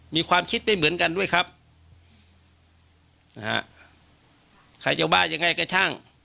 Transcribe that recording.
มีความคิดได้เหมือนกันด้วยครับนะฮะใครจะว่ายังไงก็ช่าง